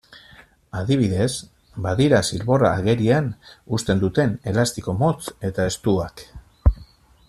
Adibidez, badira zilborra agerian uzten duten elastiko motz eta estuak.